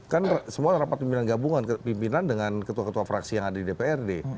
kan semua rapat pimpinan gabungan pimpinan dengan ketua ketua fraksi yang ada di dprd